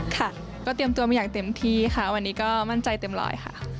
ค่ะก็เตรียมตัวมาอย่างเต็มที่ค่ะวันนี้ก็มั่นใจเต็มร้อยค่ะ